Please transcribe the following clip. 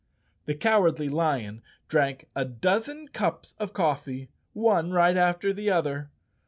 The Cowardly Lion drank a dozen cups of coffee, one right after the other.